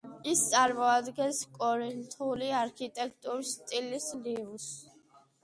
ის წარმოადგენს კორინთული არქიტექტურის სტილის ნიმუშს.